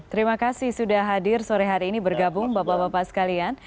terima kasih sudah hadir sore hari ini bergabung bapak bapak sekalian